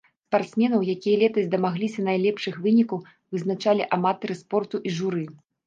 Спартсменаў, якія летась дамагліся найлепшых вынікаў, вызначалі аматары спорту і журы.